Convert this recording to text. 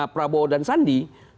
prabowo dan sandi